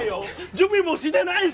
準備もしてないし！